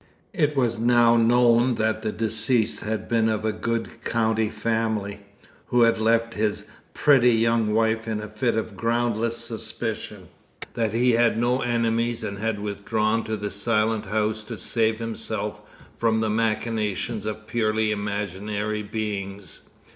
It was now known that the deceased had been of a good county family, who had left his pretty young wife in a fit of groundless suspicion; that he had no enemies; and had withdrawn to the Silent House to save himself from the machinations of purely imaginary beings.